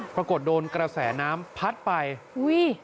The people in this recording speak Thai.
ปรากฏโดนกระแสน้ำพัดไปอุ้ย